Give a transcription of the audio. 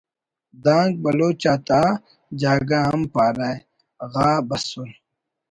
دانک بلوچ آتا جاگہ ہم پارہ) غا بسر